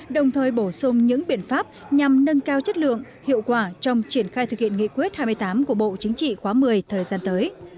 đồng thời bổ sung những biện pháp nhằm nâng cao chất lượng hiệu quả trong triển khai thực hiện nghị quyết hai mươi tám của bộ chính trị khóa một mươi thời gian tới